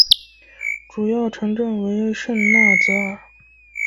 主要城镇为圣纳泽尔。